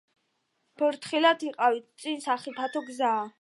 ფრთხილად იყავით, წინ სახიფათო გზაა!